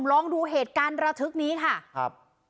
ลองดูเหตุการณ์ระทึกนี้ค่ะครับ